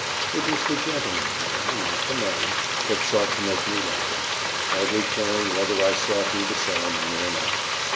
It was the gentleman in him, not the man, that sought to make me welcome, hardly caring whether I saw through the ceremony or not.